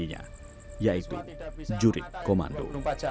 yaitu jurid komando